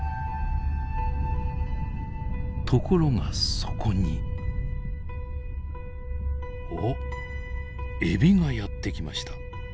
ところがそこにおっエビがやって来ました。